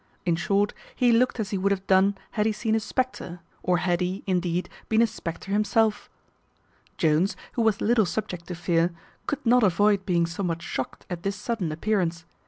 In short, he looked as he would have done had he seen a spectre, or had he, indeed, been a spectre himself. Jones, who was little subject to fear, could not avoid being somewhat shocked at this sudden appearance.